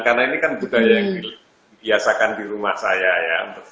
karena ini kan juga yang dibiasakan di rumah saya ya